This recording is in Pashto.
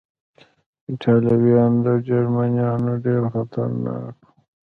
ایټالویان تر جرمنیانو ډېر خطرناک و.